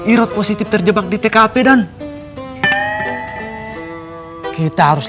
ero hitim terjebak di tkp dan kita harus